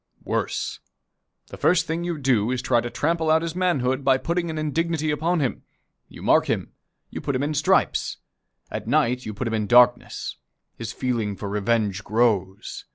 Worse. The first thing you do is to try to trample out his manhood, by putting an indignity upon him. You mark him. You put him in stripes. At night you put him in darkness. His feeling for revenge grows.